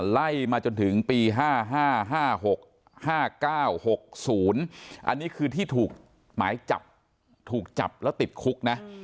ไล่มาจนถึงปี๕๕๖๕๙๖๐อันนี้คือที่ถูกหมายจับถูกจับแล้วติดคุกนะ